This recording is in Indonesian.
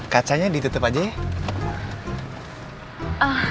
kacanya ditetep aja ya